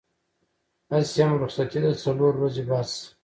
هسې هم رخصتي ده څلور ورځې بس.